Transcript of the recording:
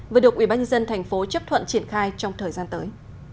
vừa được ubnd thành phố chấp thuận triển khai trong thời gian tới